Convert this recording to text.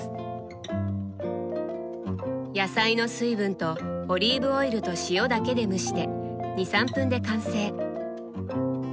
野菜の水分とオリーブオイルと塩だけで蒸して２３分で完成！